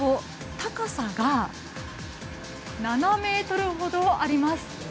高さが７ｍほどあります。